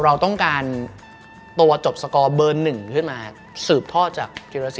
เราต้องการตัวจบสกอร์เบอร์๑ขึ้นมาสืบทอดจากธิรสินแดงดา